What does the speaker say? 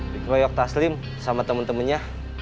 dikeroyok taslim sama temen temennya